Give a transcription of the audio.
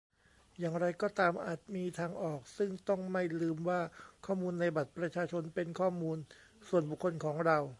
อย่างไรก็ตามอาจมีทางออก ซึ่งต้องไม่ลืมว่าข้อมูลในบัตรประชาชนเป็นข้อมูลส่วนบุคคคลของเรา